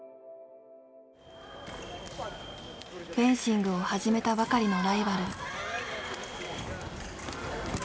フェンシングを始めたばかりのライバル。